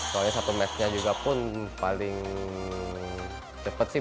soalnya satu matchnya juga pun paling cepet sih